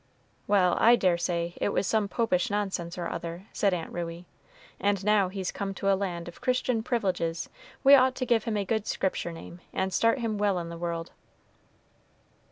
"Well, I dare say it was some Popish nonsense or other," said Aunt Ruey; "and now he's come to a land of Christian privileges, we ought to give him a good Scripture name, and start him well in the world."